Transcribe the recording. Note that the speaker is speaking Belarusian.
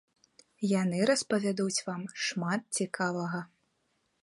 Яны распавядуць вам шмат цікавага.